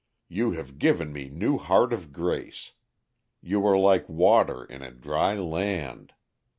You have given me new heart of grace; you are like water in a dry land.